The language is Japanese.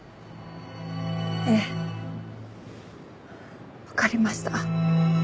ええわかりました。